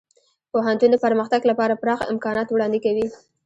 پوهنتون د پرمختګ لپاره پراخه امکانات وړاندې کوي.